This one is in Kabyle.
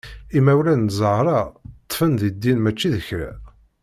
Imawlan n Zahra ṭṭfen di ddin mačči d kra.